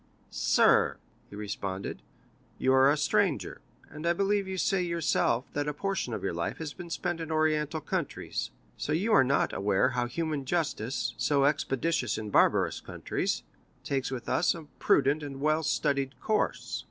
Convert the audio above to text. "Sir," he responded, "you are a stranger, and I believe you say yourself that a portion of your life has been spent in Oriental countries, so you are not aware how human justice, so expeditious in barbarous countries, takes with us a prudent and well studied course."